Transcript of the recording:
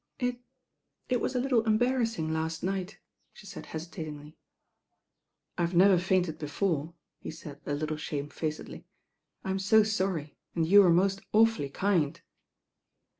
"It— it was a little embarrassing last night," she said hesitatingly. "I've never fainted before," he said a little shame facedly. "I'm so sorry, and you were most awfully kind."